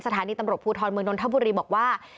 สถานีตำรวจภูทรเมืองนทบุรีบอกว่า